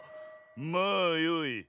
まあよい。